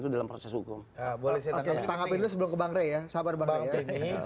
itu dalam proses hukum boleh saya tangkapin sebelum ke bang rey ya sabar bang beni